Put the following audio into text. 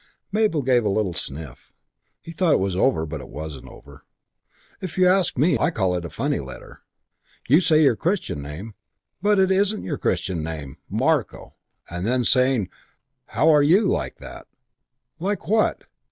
Mabel gave a little sniff. He thought it was over. But it wasn't over. "If you ask me, I call it a funny letter. You say your Christian name, but it isn't your Christian name Marko! And then saying, 'How are you?' like that " "Like what?